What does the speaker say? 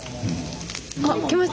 あっきました。